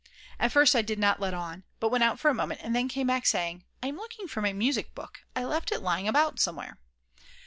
At first I did not let on, but went out for a moment, and then came back saying: "I'm looking for my music book, I left it lying about somewhere."